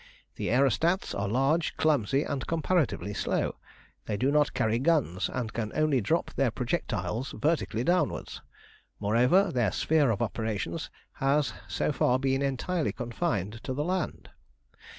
The aerostats are large, clumsy, and comparatively slow. They do not carry guns, and can only drop their projectiles vertically downwards. Moreover, their sphere of operations has so far been entirely confined to the land.